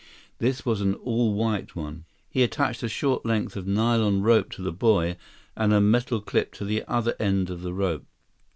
This was an all white one. He attached a short length of nylon rope to the buoy, and a metal clip to the other end of the rope.